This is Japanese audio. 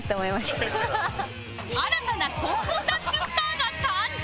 新たなコンコンダッシュスターが誕生！